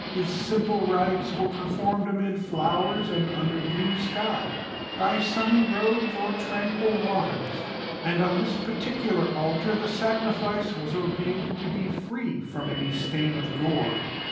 His simple rites were performed amid flowers and under blue sky, by sunny roads or tranquil waters; and on this particular altar the sacrifice was ordained to be free from any stain of gore.